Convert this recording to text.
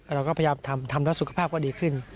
เราก็พยายามทำทำแล้วสุขภาพก็ดีขึ้น